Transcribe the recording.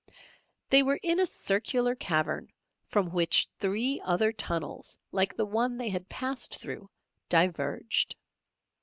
They were in a circular cavern from which three other tunnels like the one they had passed through, diverged.